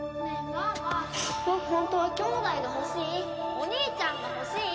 お兄ちゃんが欲しい！